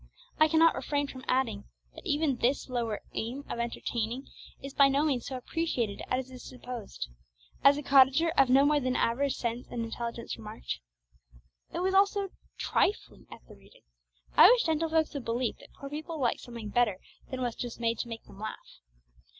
I cannot refrain from adding, that even this lower aim of 'entertaining' is by no means so appreciated as is supposed. As a cottager of no more than average sense and intelligence remarked, 'It was all so trifling at the reading; I wish gentlefolks would believe that poor people like something better than what's just to make them laugh.'